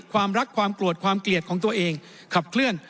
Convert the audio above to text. ความรักความโกรธความเกลียดของตัวเองขับเคลื่อน